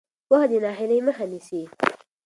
پوهه د ناهیلۍ مخه نیسي.